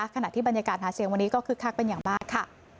ขณะที่บรรยากาศหาเสียงวันนี้ก็คึกคักเป็นอย่างมากค่ะ